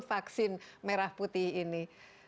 vaksin merah putih ini